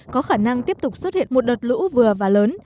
có khả năng tiếp tục xuất hiện một đợt lũ vừa và lớn